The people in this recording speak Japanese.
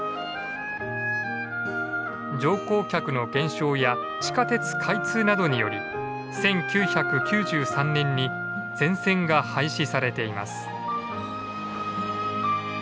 乗降客の減少や地下鉄開通などにより１９９３年に全線が廃止されています。